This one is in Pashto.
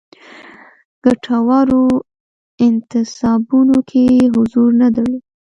ګټورو انتصابونو کې حضور نه درلود.